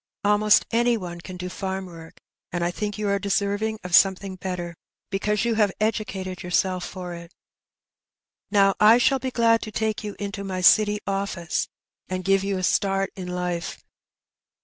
Almost any one can do farm work, and I think you are deserving of something better, because you have educated yourself for it. Now, I shall be glad to take you into my city office^ 264 Her Benny. and give you a start in life.